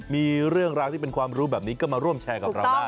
มีเรื่องราวที่เป็นความรู้แบบนี้ก็มาร่วมแชร์กับเราได้